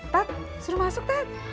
tat suruh masuk tat